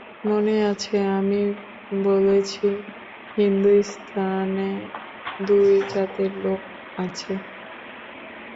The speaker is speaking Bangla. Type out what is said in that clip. মনে আছে আমি বলেছি হিন্দুস্তানে দুই জাতের লোক আছে।